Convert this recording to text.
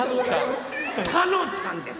たのちゃんです！